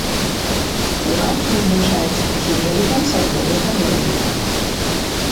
Урад прызначаецца прэзідэнтам са згоды парламента.